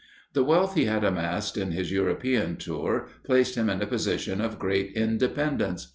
The wealth he had amassed in his European tour, placed him in a position of great independence.